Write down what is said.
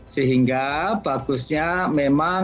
sehingga bagusnya memang